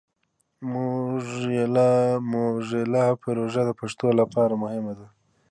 موزیلا پروژه د پښتو لپاره مهمه ده.